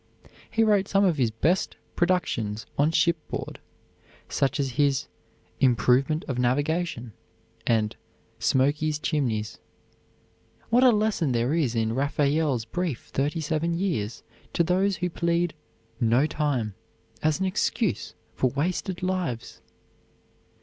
He wrote some of his best productions on shipboard, such as his "Improvement of Navigation" and "Smoky Chimneys." What a lesson there is in Raphael's brief thirty seven years to those who plead "no time" as an excuse for wasted lives!